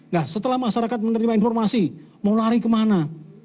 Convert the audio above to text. nah setelah masyarakat menerima informasi mau lari kemana